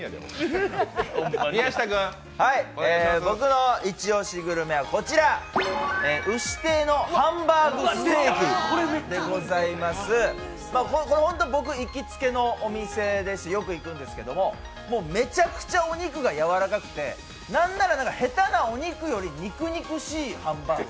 僕の一押しグルメはこちら、牛亭のハンバーグステーキです、これ、僕オススメでよく行くんですけどめちゃくちゃお肉が柔らかくて、なんなら下手なお肉より肉肉しいハンバーグ。